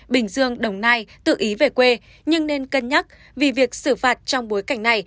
bình dương đồng nai tự ý về quê nhưng nên cân nhắc vì việc xử phạt trong bối cảnh này